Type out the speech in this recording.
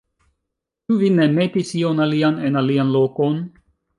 Ĉu vi ne metis ion alian en alian lokon?